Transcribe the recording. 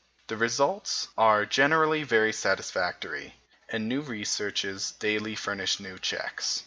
The results are generally very satisfactory, and new researches daily furnish new checks.